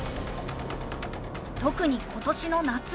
特に今年の夏